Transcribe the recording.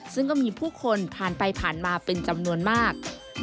ซึ่งก็มีผู้คนผ่านไปผ่านมาเป็นจำนวนมาก